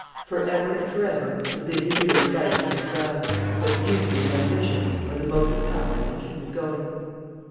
For ever and for ever the busy wheel of life turns round; but duty and ambition are the motive powers that keep it going.